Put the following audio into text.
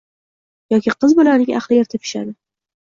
Yoki qiz bolaning aqli erta pishadi.